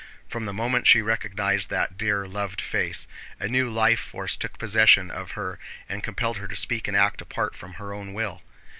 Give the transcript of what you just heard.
From the moment she recognized that dear, loved face, a new life force took possession of her and compelled her to speak and act apart from her own will.